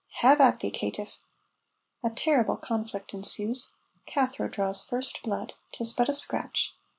"Have at thee, caitiff!" A terrible conflict ensues. Cathro draws first blood. 'Tis but a scratch.